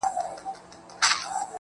ته به په فکر وې، چي څنگه خرابيږي ژوند.